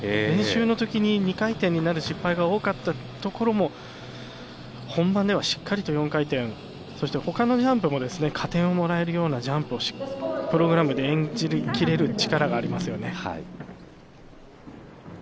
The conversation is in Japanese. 練習の時に２回転になる失敗が多かったところも本番ではしっかりと４回転、そして他のジャンプも加点をもらえるようなジャンプをプログラムで演じきれる力がありますよね。